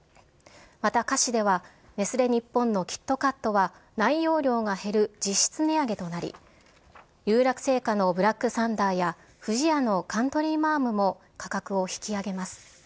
また菓子では、ネスレ日本のキットカットは内容量が減る実質値上げとなり、有楽製菓のブラックサンダーや、不二家のカントリーマアムも価格を引き上げます。